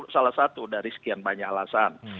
salah satu dari sekian banyak alasan